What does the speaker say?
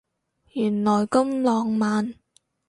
原來咁浪漫